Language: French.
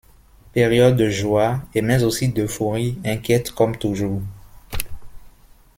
Période de joie, et mais aussi d'euphorie inquiète comme toujours.